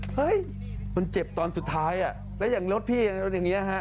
เฮ้ยมันเจ็บตอนสุดท้ายแล้วอย่างรถพี่รถอย่างนี้ฮะ